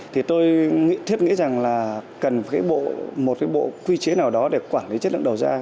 thì tôi thiết nghĩ rằng là cần một cái bộ quy chế nào đó để quản lý chất lượng đầu ra